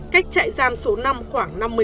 cách chạy giam số năm